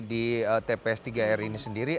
di tps tiga r ini sendiri